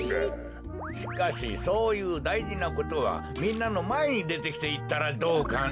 しかしそういうだいじなことはみんなのまえにでてきていったらどうかね？